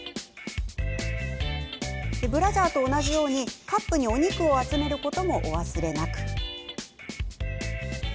ブラジャーと同じようにカップにお肉を集めることもお忘れなく。